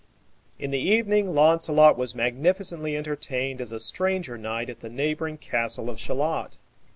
In the evening Launcelot was magnificently entertained as a stranger knight at the neighboring castle of Shalott.